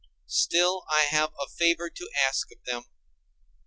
Still I have a favor to ask of them.